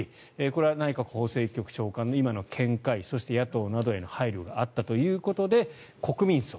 これは内閣法制局長官の今の見解そして、野党などへの配慮があったということで国民葬。